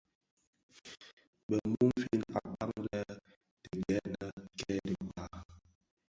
Bë mumfin akpaň lè dhi gènè kè dhikpag.